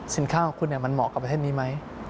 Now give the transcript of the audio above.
ข้าวของคุณมันเหมาะกับประเทศนี้ไหม